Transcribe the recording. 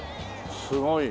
すごい。